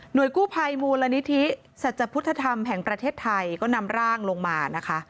โดยกู้ภัยมูลนิธิสัจพุทธธรรมแห่งประเทศไทยก็นำร่างลงมานะคะ